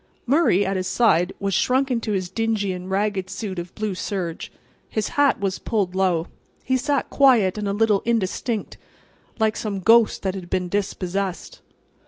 Murray, at his side, was shrunk into his dingy and ragged suit of blue serge. His hat was pulled low; he sat quiet and a little indistinct, like some ghost that had been dispossessed.